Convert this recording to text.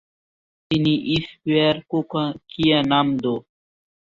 তিনি ইস পেয়ার কো কিয়া নাম দো?